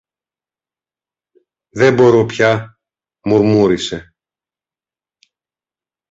Δεν μπορώ πια, μουρμούρισε.